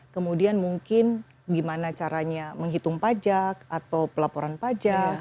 kemudian mungkin gimana caranya menghitung pajak atau pelaporan pajak